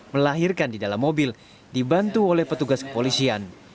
melahirkan di dalam mobil dibantu oleh petugas kepolisian